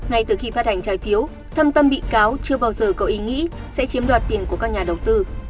ngay từ khi phát hành trái phiếu thâm tâm bị cáo chưa bao giờ có ý nghĩa sẽ chiếm đoạt tiền của các nhà đầu tư